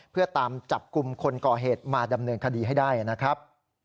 เพื่อตามจับกลุ่มคนก่อเหตุมาดำเนินคดีให้ได้นะครับ